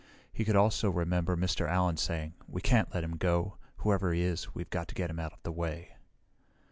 He could also remember Mr. Allen saying, "We can't let him go. Whoever he is, we've got to get him out of the way."